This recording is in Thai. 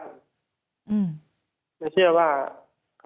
ภรรยาคนเดียวครับ